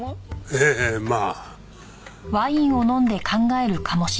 ええまあ。